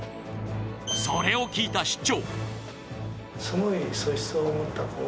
それを聞いた市長。